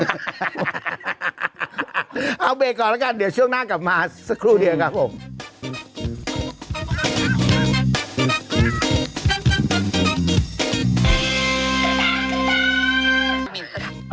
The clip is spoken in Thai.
เอาเบรกก่อนแล้วกันเดี๋ยวช่วงหน้ากลับมาสักครู่เดียวครับผม